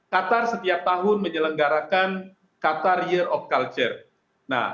katar setiap tahun menyelenggarakan katar year of culture